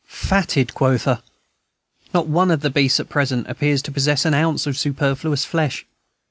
Fatted, quotha! Not one of the beasts at present appears to possess an ounce of superfluous flesh.